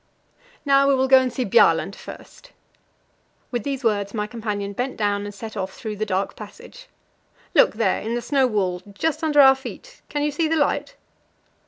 "Now we will go and see Bjaaland first." With these words my companion bent down, and set off through the dark passage. "Look there, in the snow wall just under our feet can you see the light?"